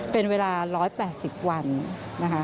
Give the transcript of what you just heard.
เป็นเวลา๑๘๐วันนะคะ